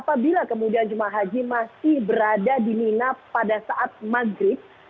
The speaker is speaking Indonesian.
apabila kemudian jemaah haji masih berada di mina pada saat maghrib